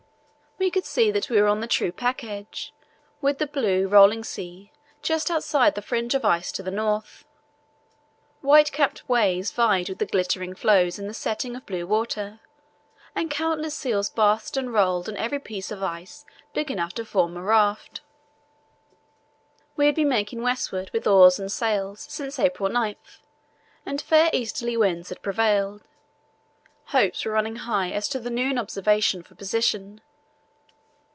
We could see that we were on the true pack edge, with the blue, rolling sea just outside the fringe of ice to the north. White capped waves vied with the glittering floes in the setting of blue water, and countless seals basked and rolled on every piece of ice big enough to form a raft. We had been making westward with oars and sails since April 9, and fair easterly winds had prevailed. Hopes were running high as to the noon observation for position.